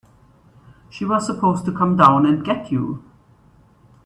She was supposed to come down and get you.